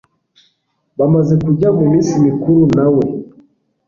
bamaze kujya mu minsi mikuru na we